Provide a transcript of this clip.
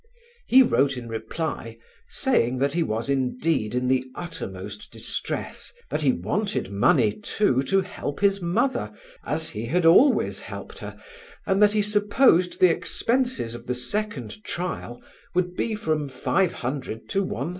He wrote in reply, saying that he was indeed in uttermost distress, that he wanted money, too, to help his mother as he had always helped her, and that he supposed the expenses of the second trial would be from £500 to £1,000.